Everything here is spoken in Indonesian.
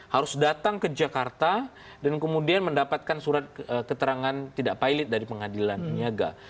harus datang ke jakarta dan kemudian mendapatkan surat keterangan tidak pilot dari pengadilan niaga